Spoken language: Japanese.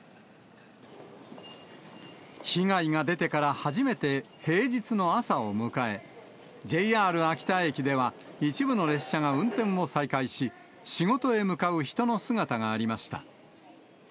被害が出てから初めて平日の朝を迎え、ＪＲ秋田駅では、一部の列車が運転を再開し、仕事へ向かう人の姿がありました。